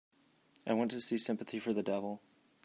I want to see Sympathy for the Devil